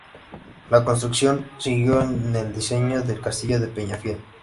La construcción siguió el diseño del castillo de Peñafiel.